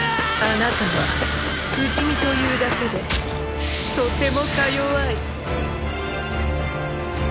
あなたは不死身というだけでとてもか弱い。